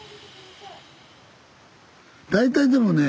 大体でもね